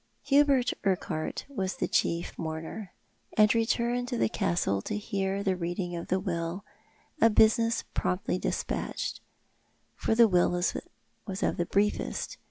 Hubert Urquhart was chief mourner, and returned to tho Castle to hear the reading of the will, a business promptly despatched, for the will was of the briefest.